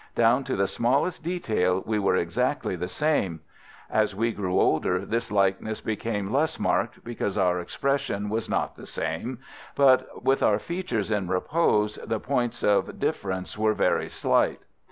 Down to the smallest detail we were exactly the same. As we grew older this likeness became less marked because our expression was not the same, but with our features in repose the points of difference were very slight.